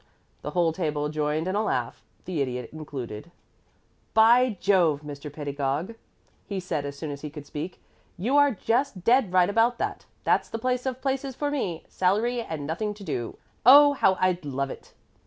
The whole table joined in a laugh, the Idiot included. "By Jove! Mr. Pedagog," he said, as soon as he could speak, "you are just dead right about that. That's the place of places for me. Salary and nothing to do! Oh, how I'd love it!"